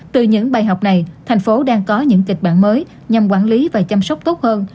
từ những bài học này thành phố đang có những kịch bản mới nhằm quản lý và chăm sóc tốt hơn